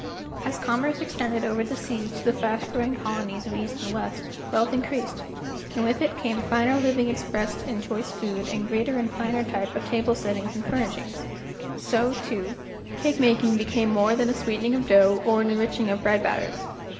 As commerce extended over the seas to the fast growing colonies of east and west, wealth increased, and with it came finer living ex¬ pressed in choice food and greater and finer type of table settings and furnishings; so, too, cake making became more than a sweeten¬ ing of dough or an enriching of bread batters.